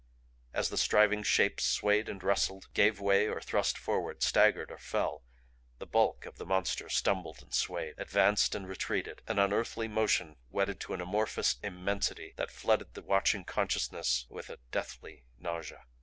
As the striving Shapes swayed and wrestled, gave way or thrust forward, staggered or fell, the bulk of the Monster stumbled and swayed, advanced and retreated an unearthly motion wedded to an amorphous immensity that flooded the watching consciousness with a deathly nausea.